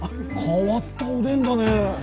変わったおでんだね。